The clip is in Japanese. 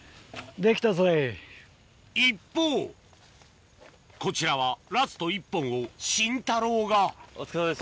一方こちらはラスト１本をシンタローがお疲れっす。